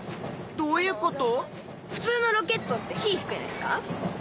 どういうこと？